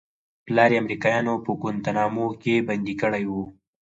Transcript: پلار يې امريکايانو په گوانټانامو کښې بندي کړى و.